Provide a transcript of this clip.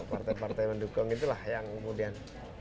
partai partai mendukung itulah yang kemudian